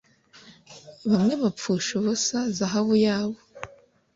bamwe bapfusha ubusa zahabu yabo,